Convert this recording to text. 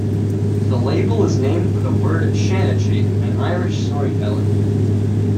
The label is named for the word Shanachie, an Irish storyteller.